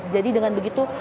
jadi dengan begitu